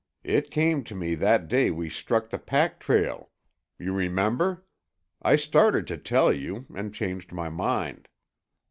It came to me that day we struck the pack trail. You remember? I started to tell you, and changed my mind."